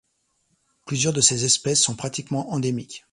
Plusieurs de ces espèces sont pratiquement endémiques.